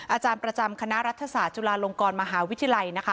อาจารย์ประจำคณะรัฐศาสตร์จุฬาลงกรมหาวิทยาลัยนะคะ